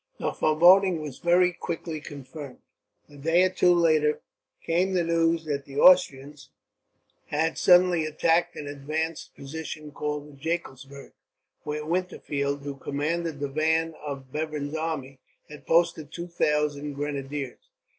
The foreboding was very quickly confirmed. A day or two later came the news that the Austrians had suddenly attacked an advanced position called the Jakelsberg; where Winterfeld, who commanded the van of Bevern's army, had posted two thousand grenadiers.